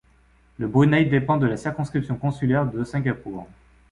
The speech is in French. Le Brunei dépend de la circonscription consulaire de Singapour.